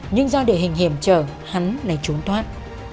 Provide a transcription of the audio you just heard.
nhưng do địa hình hiểm trở hắn lại trốn thoát